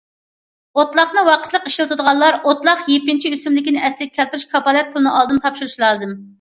ئوتلاقنى ۋاقىتلىق ئىشلىتىدىغانلار ئوتلاق يېپىنچا ئۆسۈملۈكىنى ئەسلىگە كەلتۈرۈش كاپالەت پۇلىنى ئالدىن تاپشۇرۇشى لازىم.